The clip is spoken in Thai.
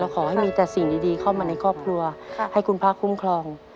ขอให้มีแต่สิ่งดีเข้ามาในครอบครัวให้คุณพระคุ้มครอง